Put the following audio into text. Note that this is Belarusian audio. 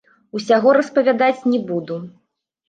Усяго распавядаць не буду.